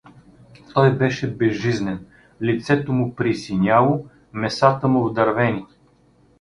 Той беше безжизнен, лицето му присиняло, месата му вдървени.